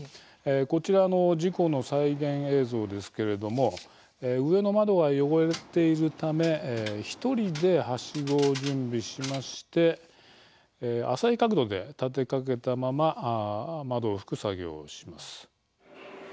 こちら事故の再現映像ですけれども上の窓が汚れているため１人で、はしごを準備しまして浅い角度で立てかけたまま窓を拭く作業をします。